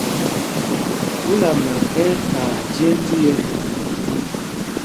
Phúlama ɛ́ ɛ́ kaa jênd yɛ́.